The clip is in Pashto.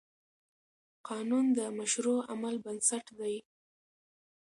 قانون د مشروع عمل بنسټ دی.